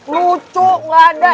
lucu gak ada